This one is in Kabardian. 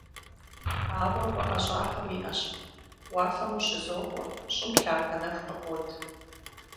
Ауэ уэ ӏэщӏагъэ уиӏэщ: уафэм ущызокӏуэ, щӏым лъапэ нэху къыбот.